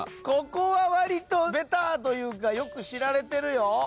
ここはわりとベターというかよく知られてるよ。